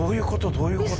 どういうこと？